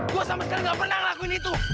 gue sama sekali gak pernah ngelakuin itu